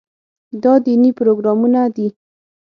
دا دیني پروګرامونه دي.